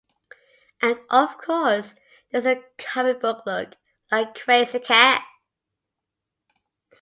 And of course there's the comic book look - like Krazy Kat.